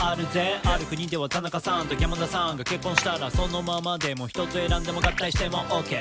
「ある国では田中さんと山田さんが結婚したら」「そのままでも１つ選んでも合体してもオッケー」